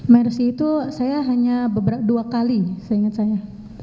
mercy itu saya hanya beberapa dua kali seingat saya